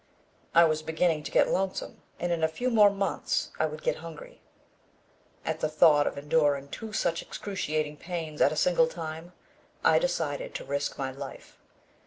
I was beginning to get lonesome and in a few more months I would get hungry. At the thought of enduring two such excruciating pains at a single time, I decided to risk my life.